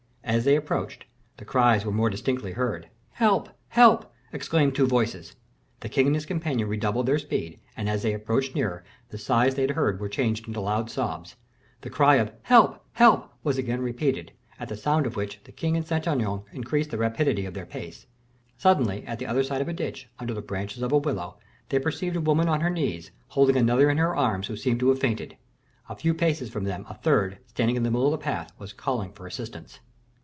As they approached, the cries were more distinctly heard. "Help, help," exclaimed two voices. The king and his companion redoubled their speed, and, as they approached nearer, the sighs they had heard were changed into loud sobs. The cry of "Help! help!" was again repeated; at the sound of which, the king and Saint Aignan increased the rapidity of their pace. Suddenly at the other side of a ditch, under the branches of a willow, they perceived a woman on her knees, holding another in her arms who seemed to have fainted. A few paces from them, a third, standing in the middle of the path, was calling for assistance.